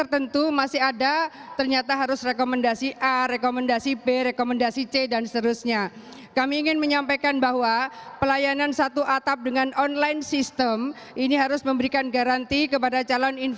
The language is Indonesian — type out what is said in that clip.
tetapi banyak yang tidak